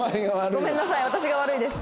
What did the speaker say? ごめんなさい私が悪いです。